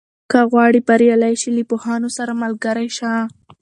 که غواړې بریالی شې، له پوهانو سره ملګری شه.